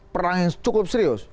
perang yang cukup serius